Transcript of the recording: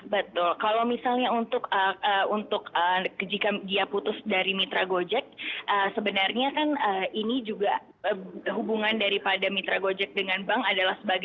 betul kalau misalnya untuk jika dia putus dari mitra gojek sebenarnya kan ini juga hubungan daripada mitra gojek dengan bank adalah sebagai